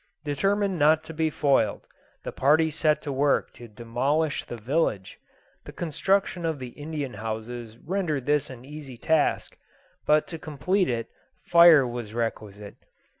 Determined not to be foiled, the party set to work to demolish the village. The construction of the Indian houses rendered this an easy task, but, to complete it, fire was requisite.